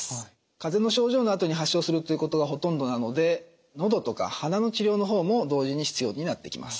風邪の症状のあとに発症するということがほとんどなのでのどとか鼻の治療の方も同時に必要になってきます。